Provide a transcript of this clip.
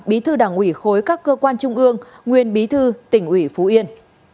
bí thư đảng ủy khối các cơ quan trung ương nguyên bí thư tỉnh ủy phú yên